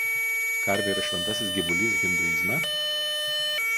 Karvė yra šventasis gyvulys hinduizme.